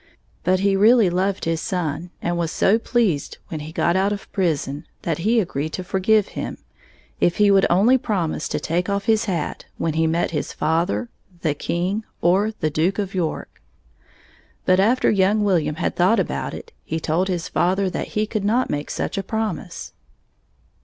But he really loved his son and was so pleased when he got out of prison that he agreed to forgive him, if he would only promise to take off his hat when he met his father, the king, or the Duke of York. But after young William had thought about it, he told his father that he could not make such a promise.